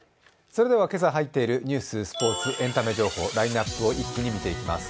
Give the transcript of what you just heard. それでは今朝入っているニュース、スポーツ、エンタメ情報ラインナップを一気に見ていきます。